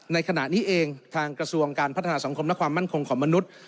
ในขณะนี้เองทางกระทรวงการพัฒนาสังคมและความมั่นคงของมนุษย์